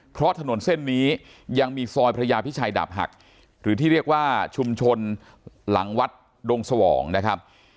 เพราะถนนเส้นนี้ยังมีซอยพระยาพิชัยดาบหักหรือที่เรียกว่าชุมชนหลังวัดดงสวองนะครับ